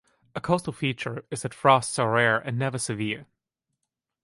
A coastal feature is that frosts are rare and never severe.